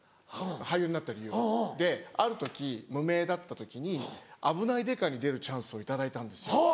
俳優になった理由がある時無名だった時に『あぶない刑事』に出るチャンスを頂いたんですよ。